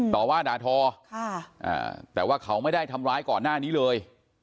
ต่อว่าด่าทอแต่ว่าเขาไม่ได้ทำร้ายก่อนหน้านี้เลย